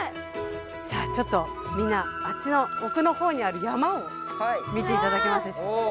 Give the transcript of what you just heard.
さあちょっとみんなあっちのおくのほうにある山を見ていただけますでしょうか。